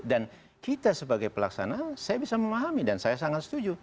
dan kita sebagai pelaksanaan saya bisa memahami dan saya sangat setuju